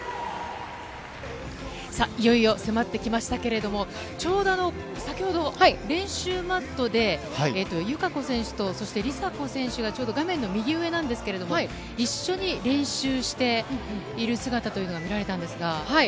さあ、いよいよ迫ってきましたけれども、ちょうど先ほど、練習マットで、友香子選手と、そして梨紗子選手が画面の右上なんですけど、一緒に練習している姿というのが見られたんですが。